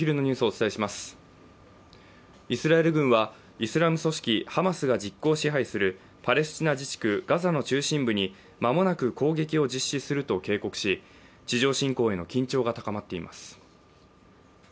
イスラエル軍はイスラム組織ハマスが実効支配するパレスチナ自治区ガザの中心部に間もなく攻撃を実施すると警告し、地上侵攻への緊張が高まっています。